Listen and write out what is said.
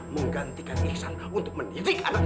menggantikan ikhsan untuk mendidik anaknya